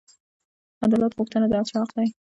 عدالت غوښتنه د هر چا حق دی.